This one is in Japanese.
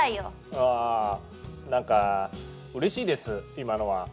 あぁなんかうれしいです今のは。